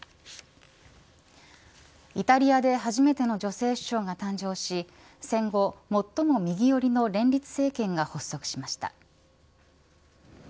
イタリアで初めての女性首相が誕生し戦後、最も右寄りの連立政権が発足しました。